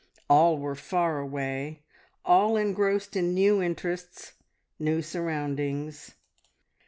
All were far away, all engrossed in new interests, new surroundings.